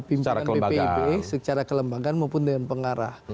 pimpinan bpib secara kelembagaan maupun dengan pengarah